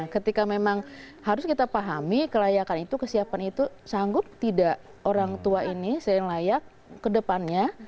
ketika memang harus kita pahami kelayakan itu kesiapan itu sanggup tidak orang tua ini sering layak kedepannya